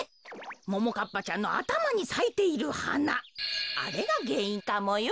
ももかっぱちゃんのあたまにさいているはなあれがげんいんかもよ。